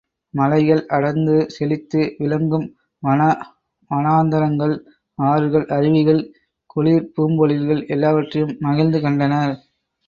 மலைகள் அடர்ந்து செழித்து விளங்கும் வன வனாந்தரங்கள், ஆறுகள், அருவிகள், குளிர்பூம்பொழில்கள் எல்லாவற்றையும் மகிழ்ந்து கண்டனர்.